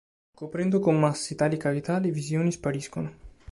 Coprendo con massi tali cavità, le visioni spariscono.